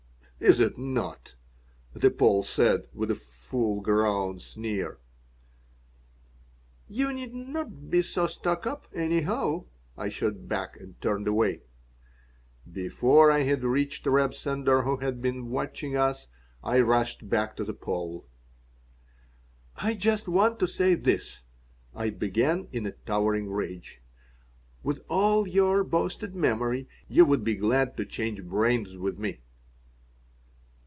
"Is it not?" the Pole said, with a full grown sneer "You need not be so stuck up, anyhow," I shot back, and turned away Before I had reached Reb Sender, who had been watching us, I rushed back to the Pole "I just want to say this," I began, in a towering rage. "With all your boasted memory you would be glad to change brains with me."